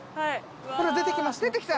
ほら出てきました。